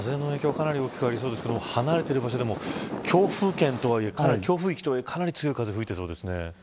かなり大きくありそうですけど離れている場所でも強風域とはいえかなり強い風が吹いていそうですね。